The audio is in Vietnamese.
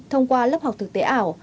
thông qua lớp học thực tế ảo